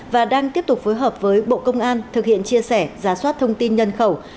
và đang tiếp tục phối hợp với bộ công an thực hiện chia sẻ giá soát thông tin nhân khẩu